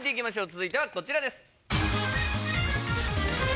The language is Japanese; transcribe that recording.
続いてはこちらです。